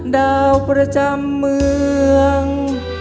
ดาวประจำเมือง